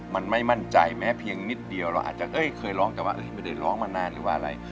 มันไม่มั่นใจแม้เพียงนิดเดียวเราอาจจะเคยร้องแต่ว่าไม่ได้ร้องมานานหรือว่าอะไร